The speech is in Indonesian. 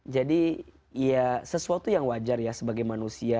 jadi ya sesuatu yang wajar ya sebagai manusia